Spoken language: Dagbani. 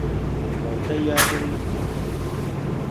Mani ka yaa din ni ko.